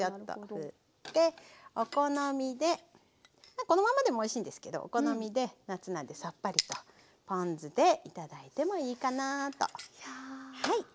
まあこのまんまでもおいしいんですけどお好みで夏なんでさっぱりとポン酢で頂いてもいいかなと思います。